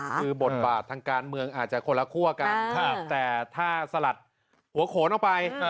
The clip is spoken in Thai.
คือบทบาททางการเมืองอาจจะคนละคั่วกันแต่ถ้าสลัดหัวโขนออกไป